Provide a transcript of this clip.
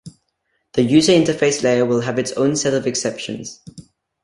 The user interface layer will have its own set of exceptions.